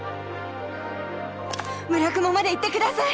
叢雲まで行って下さい。